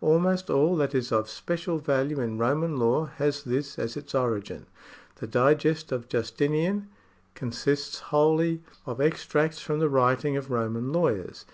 Almost all that is of special value in Roman law has this as its origin ; the Digest of Justinian consists wholly of extracts from the writ ings of Roman lawyers.